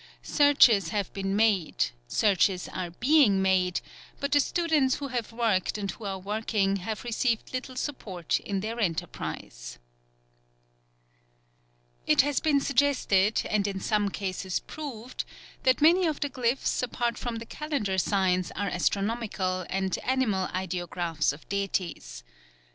Searches have been made, searches are being made, but the students who have worked and who are working have received little support in their enterprise. It has been suggested and in some cases proved that many of the glyphs apart from the calendar signs are astronomical and animal ideographs of deities.